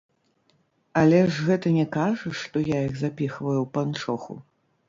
Але ж гэта не кажа, што я іх запіхваю ў панчоху.